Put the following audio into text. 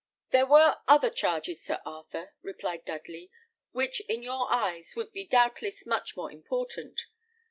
"There were other charges, Sir Arthur," replied Dudley, "which in your eyes would be doubtless much more important.